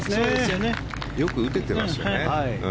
よく打ててますよね。